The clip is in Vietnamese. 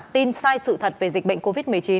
tin sai sự thật về dịch bệnh covid một mươi chín